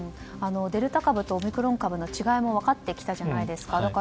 デルタ株とオミクロン株の違いも分かってきたじゃないですか。